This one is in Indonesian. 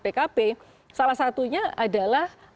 pkp salah satunya adalah